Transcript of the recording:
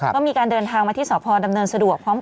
ก็มีการเดินทางมาที่สพดำเนินสะดวก